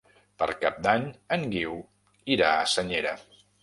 Per Cap d'Any en Guiu irà a Senyera.